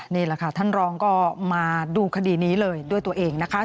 นี่แหละค่ะท่านรองก็มาดูคดีนี้เลยด้วยตัวเองนะคะ